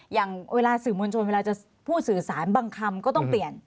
อย่างเวลาสื่อมวลชนเวลาจะพูดสื่อสารบางคำก็ต้องเปลี่ยน